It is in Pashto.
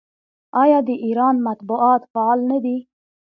آیا د ایران مطبوعات فعال نه دي؟